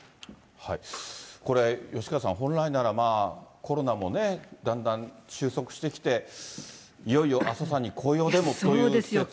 これ、吉川さん、本来ならコロナもだんだん収束してきて、いよいよ阿蘇山に紅葉でもというところなんですが。